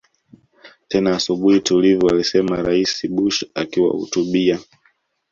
tena asubuhi tulivu alisema Rais Bush akiwahutubia